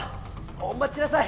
おまちなさい！